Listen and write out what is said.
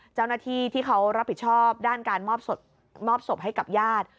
เจ้าหน้าที่ที่เขารับผิดชอบด้านการมอบศพให้กับญาติ